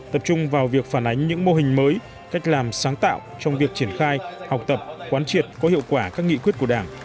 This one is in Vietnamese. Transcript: tập trung vào việc phản ánh những mô hình mới cách làm sáng tạo trong việc triển khai học tập quán triệt có hiệu quả các nghị quyết của đảng